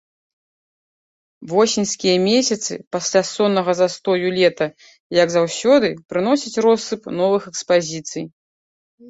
Восеньскія месяцы, пасля соннага застою лета, як заўсёды, прыносяць россып новых экспазіцый.